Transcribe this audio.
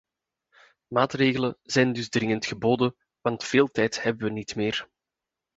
Maatregelen zijn dus dringend geboden want veel tijd hebben wij niet meer.